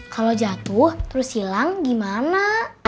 kalau jatuh terus hilang gimana